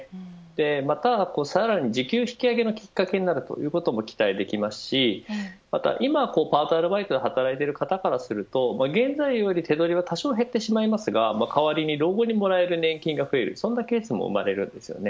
またはさらに時給引き上げのきっかけになるということも期待できますしまた、今パート、アルバイトで働いている方からすると現在より手取りは多少減ってしまいますが代わりに老後にもらえる年金が増えるケースも生まれます。